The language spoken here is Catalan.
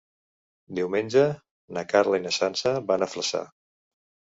Diumenge na Carla i na Sança van a Flaçà.